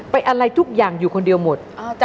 อะไรทุกอย่างอยู่คนเดียวหมด